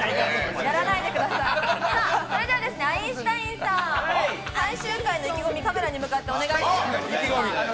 それではアインシュタインさん、最終回の意気込み、カメラに向かってお願いします。